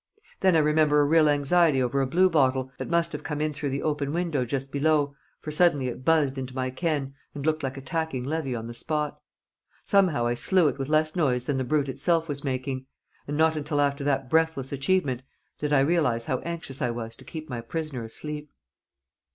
Then I remember a real anxiety over a blue bottle, that must have come in through the open window just below, for suddenly it buzzed into my ken and looked like attacking Levy on the spot. Somehow I slew it with less noise than the brute itself was making; and not until after that breathless achievement did I realise how anxious I was to keep my prisoner asleep.